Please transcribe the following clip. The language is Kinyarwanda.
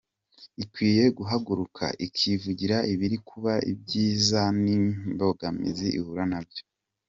Ikwiye guhaguruka ikivugira ibiri kuba, ibyiza n’imbogamizi ihura nazo.